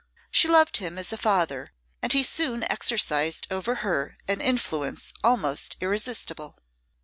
She loved him as a father, and he soon exercised over her an influence almost irresistible.